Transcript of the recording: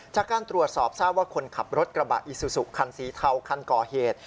จากการตรวจสอบทราบว่าคนขับรถกระบะอิซูซูคันสีเทาคันก่อเหตุ